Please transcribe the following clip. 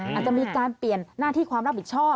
อาจจะมีการเปลี่ยนหน้าที่ความรับผิดชอบ